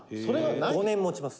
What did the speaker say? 「５年もちます」